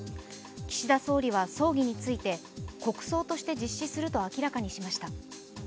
岸田総理は、葬儀について国葬として実施すると明らかにしました。